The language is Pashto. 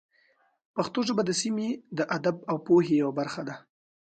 پښتو ژبه د سیمې د ادب او پوهې یوه برخه ده.